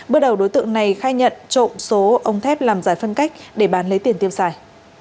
bước đầu đối tượng này khai nhận trộm số ống thép làm giải phân cách để bán lấy tiền tiêu xài